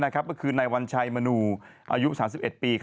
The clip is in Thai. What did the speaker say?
ก็คือนายวัญชัยมนูอายุ๓๑ปี